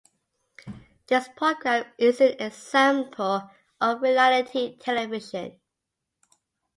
This program is an example of reality television.